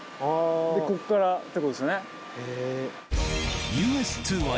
でこっからってことですよね。